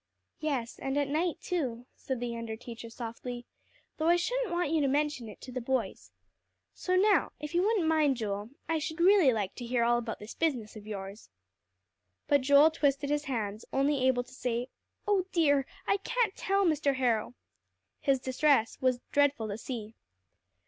"Yes, and at night, too," said the under teacher softly, "though I shouldn't want you to mention it to the boys. So now, if you wouldn't mind, Joel, I should really like to hear all about this business of yours." But Joel twisted his hands, only able to say, "Oh dear! I can't tell, Mr. Harrow." His distress was dreadful to see.